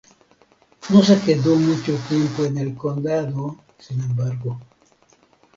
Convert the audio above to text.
No se quedó mucho tiempo en el condado, sin embargo.